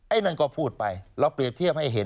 นั่นก็พูดไปเราเปรียบเทียบให้เห็น